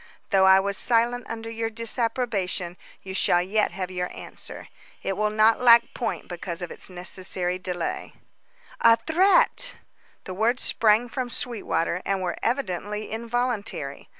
Though I was silent under your disapprobation, you shall yet have your answer. It will not lack point because of its necessary delay." "A threat!" The words sprang from Sweetwater, and were evidently involuntary.